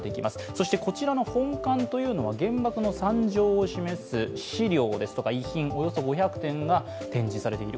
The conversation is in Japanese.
そして、こちらの本館は原爆の惨状を示す資料ですとか遺品およそ５００点が展示されている